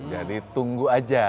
jadi tunggu aja